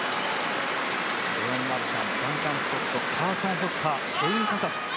レオン・マルシャンダンカン・スコットカーソン・フォスターシャイン・カサス。